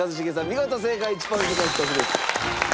見事正解１ポイント獲得です。